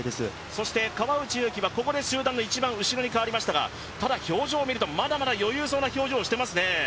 そして川内優輝は集団の一番後ろに代わりましたが、ただ表情を見ると、まだまだ余裕そうな表情をしていますね。